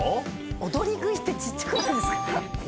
踊り食いってちっちゃくないですか？